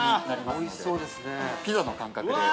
ピザの感覚で。